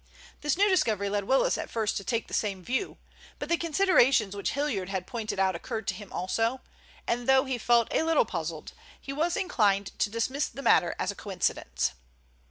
This new discovery led Willis at first to take the same view, but the considerations which Hilliard had pointed out occurred to him also, and though he felt a little puzzled, he was inclined to dismiss the matter as a coincidence.